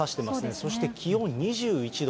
そして、気温２１度。